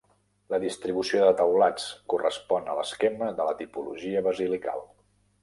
La distribució de teulats correspon a l'esquema de la tipologia basilical.